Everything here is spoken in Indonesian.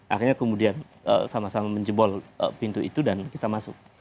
akhirnya kemudian sama sama menjebol pintu itu dan kita masuk